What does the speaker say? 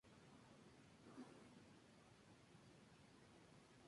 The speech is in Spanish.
El primer dispositivo certificado fue el Sony Ericsson Xperia Play.